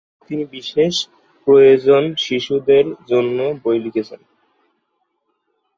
তিনি বিশেষ প্রয়োজন শিশুদের জন্য বই লিখেছেন।